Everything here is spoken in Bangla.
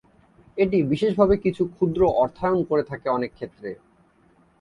এটি বিশেষভাবে কিছু ক্ষুদ্র অর্থায়ন করে থাকে অনেক ক্ষেত্রে।